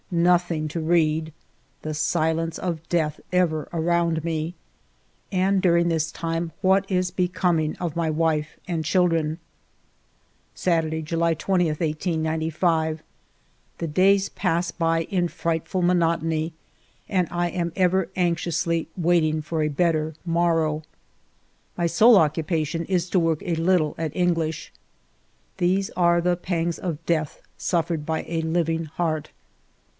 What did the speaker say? Nothing to read ! The silence of death ever around me ! And during this time what is becoming of my wife and children ? Saturday^ July 20, 1895. The days pass by in frightful monotony, and I am ever anxiously waiting for a better morrow. My sole occupation is to work a little at English. These are the pangs of death suffered by a living heart